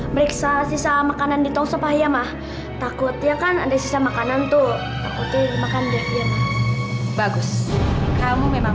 beriksa sisa makanan di tungso pahya mah takut ya kan ada sisa makanan tuh bagus kamu memang